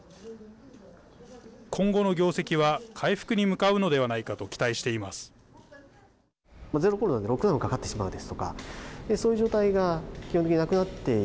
今後の業績は回復に向かうのではないかと期待しています。